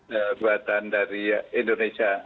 kekuatan dari indonesia